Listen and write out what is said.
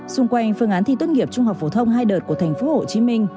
xung quanh phương án thi tuân nghiệp trung học phổ thông hai đợt của tp hcm